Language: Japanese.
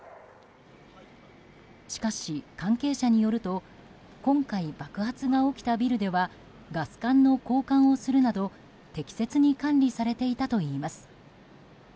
しかし、関係者によると今回、爆発が起きたビルではガス管の交換をするなど適切に管理されていたといいます。